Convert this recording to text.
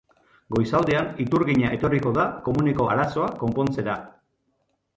Goizaldean iturgina etorriko da komuneko arazoa konpontzera.